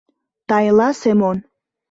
— Тайла, Семон!